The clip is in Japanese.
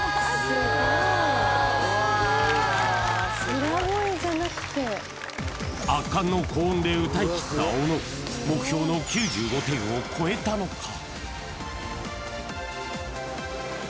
ｕｍすごい裏声じゃなくて圧巻の高音で歌い切った小野目標の９５点を超えたのか？